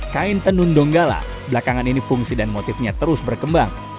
kain tenun donggala belakangan ini fungsi dan motifnya terus berkembang